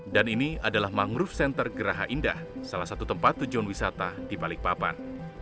dan ini adalah mangrove center geraha indah salah satu tempat tujuan wisata di balikpapan